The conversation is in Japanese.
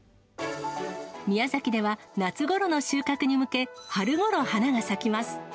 宮崎では夏ごろの収穫に向け、春ごろ花が咲きます。